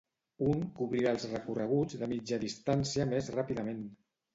Un cobrirà els recorreguts de mitja distància més ràpidament.